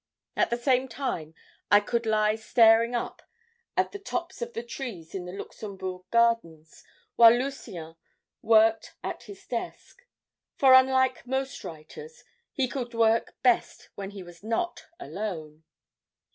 At the same time I could lie staring up at the tops of the trees in the Luxembourg Gardens, while Lucien worked at his desk. For, unlike most writers, he could work best when he was not alone.